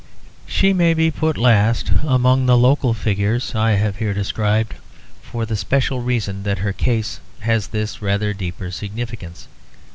She may be put last among the local figures I have here described, for the special reason that her case has this rather deeper significance.